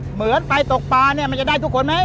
เหมือนไปตกปลาเนี่ยมันจะได้ทุกคนไหม